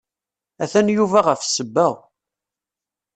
Atan Yuba ɣef ssebba.